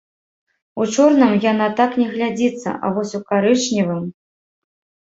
У чорным яна так не глядзіцца, а вось у карычневым!